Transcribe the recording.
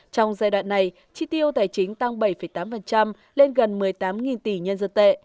trong giai đoạn này chi tiêu tài chính tăng bảy tám lên gần một mươi tám tỷ nhân dân tệ